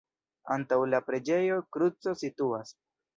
Antaŭ la preĝejo kruco situas.